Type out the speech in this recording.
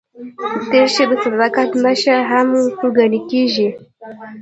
دریشي د صداقت نښه هم ګڼل کېږي.